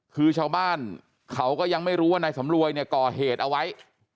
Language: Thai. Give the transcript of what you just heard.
คือชาวบ้านเขาก็ยังไม่รู้ว่านายสำรวยเนี่ยก่อเหตุเอาไว้